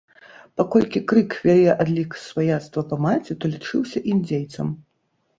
Паколькі крык вялі адлік сваяцтва па маці, то лічыўся індзейцам.